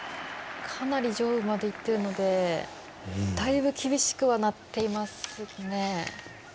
かなり上部までいってるのでだいぶ厳しくはなっていますね。